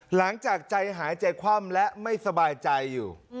หลังจากใจหายใจคว่ำและไม่สบายใจอยู่